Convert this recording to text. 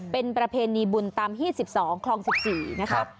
เป็นประเพณีบุญตามที่๑๒คลอง๑๔นะครับ